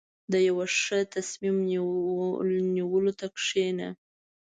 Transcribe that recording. • د یو ښه تصمیم نیولو ته کښېنه.